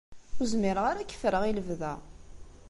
Ur zmireɣ ara ad k-ffreɣ i lebda.